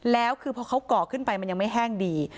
แล้วคือพอเขาก่อขึ้นไปมันยังไม่แห้งดี